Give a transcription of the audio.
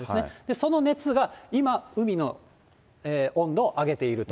その熱が今、海の温度を上げていると。